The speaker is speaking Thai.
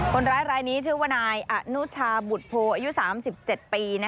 คนร้ายรายนี้ชื่อว่านายอนุชาบุตรโพอายุ๓๗ปี